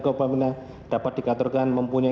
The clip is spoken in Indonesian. korban pina dapat dikaturkan mempunyai